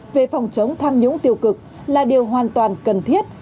về phòng chống tham nhũng tiêu cực là điều hoàn toàn cần thiết